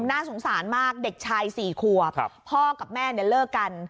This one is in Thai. น่าสงสารมากเด็กชาย๔ขวบพ่อกับแม่เนี่ยเลิกกัน